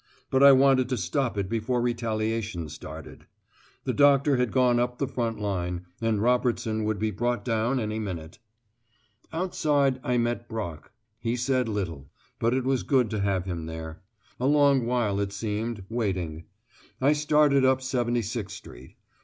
But I wanted to stop it before retaliation started. The doctor had gone up the front line, and Robertson would be brought down any minute. Outside I met Brock. He said little, but it was good to have him there. A long while it seemed, waiting. I started up 76 Street.